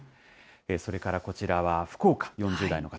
それからこちらは福岡、４０代の方。